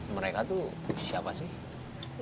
mereka tuh siapa sih